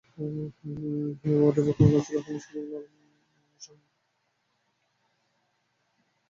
এ ওয়ার্ডের বর্তমান কাউন্সিলর হলেন শফিকুল আলম শামীম।